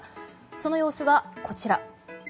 その様子が、こちら。